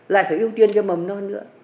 lại phải ưu tiên cho mầm non nữa